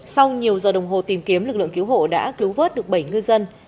sau nhiều giờ đồng hồ tìm kiếm lực lượng cứu hộ đã cứu vớt được bảy ngư dân